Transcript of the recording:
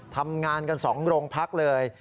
ทำงานกัน๒โรงพักเลย